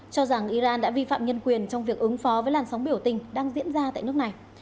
cho rằng iran đã vi phạm nhân quyền trong việc ứng phó với làn sóng biểu tình đang diễn ra tại nước này